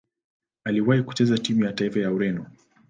Aliwahi kucheza timu ya taifa ya Ureno.